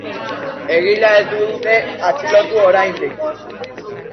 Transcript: Egilea ez dute atxilotu oraindik.